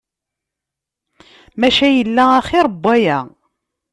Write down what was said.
Maca yella axir n waya.